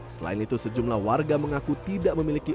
selain itu sejumlah warga mengaku tidak memiliki